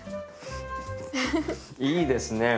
いいですね。